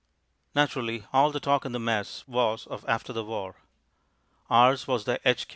Naturally all the talk in the Mess was of after the war. Ours was the H.